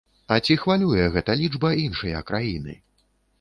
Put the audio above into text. А ці хвалюе гэта лічба іншыя краіны?